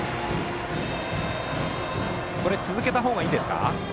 続けた方がいいですか。